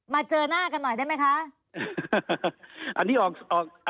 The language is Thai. มาเจอหน้ากันหน่อยได้ไหมคะ